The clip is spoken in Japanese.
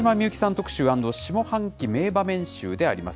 特集＆下半期名場面集であります。